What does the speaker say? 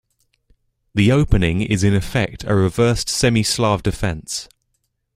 The opening is in effect a reversed Semi-Slav Defense.